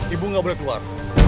ibu gak boleh keluar